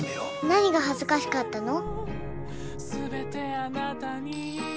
何が恥ずかしかったの？